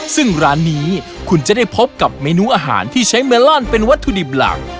ซึ่งร้านนี้คุณจะได้พบกับเมนูอาหารที่ใช้เมลอนเป็นวัตถุดิบหลัก